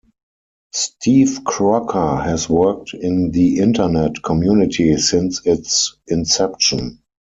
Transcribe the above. Steve Crocker has worked in the Internet community since its inception.